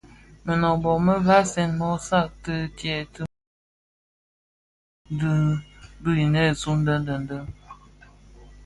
Mënôbö më vasèn mö satü tidyëk mëku lè mëku dhi binèsun deň deň deň.